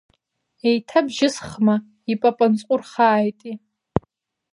Еиҭабжьысхма, ипапанҵҟәырхааитеи…